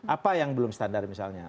apa yang belum standar misalnya